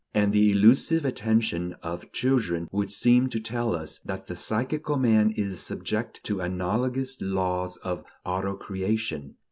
And the elusive attention of children would seem to tell us that the psychical man is subject to analogous laws of auto creation.